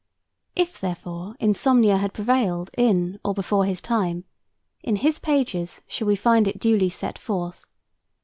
If, therefore, insomnia had prevailed in or before his time, in his pages shall we find it duly set forth.